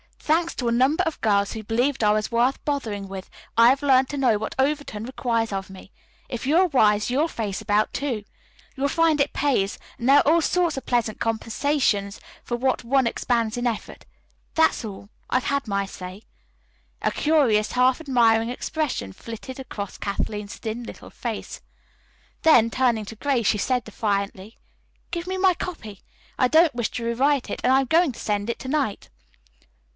Thanks to a number of girls who believed I was worth bothering with, I have learned to know what Overton requires of me. If you are wise, you'll face about, too. You will find it pays, and there are all sorts of pleasant compensations for what one expends in effort. That's all. I've said my say." A curious, half admiring expression flitted across Kathleen's thin little face. Then, turning to Grace, she said defiantly: "Give me my copy. I don't wish to rewrite it and I am going to send it to night."